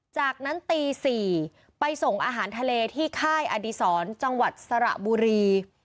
จากนั้นตี๔ไปส่งอาหารทะเลที่ค่ายอดีศรจังหวัดสระบุรี